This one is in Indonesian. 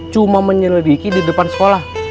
cuma menyelidiki di depan sekolah